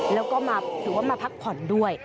แล้วก็ถือว่ามาพักผ่อนด้วย